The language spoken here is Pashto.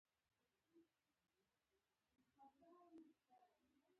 خوبونه نشته شوګېري دي